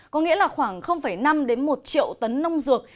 có nghĩa là khoảng năm một triệu tấn nông dược